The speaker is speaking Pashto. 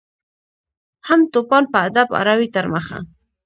هم توپان په ادب اړوي تر مخه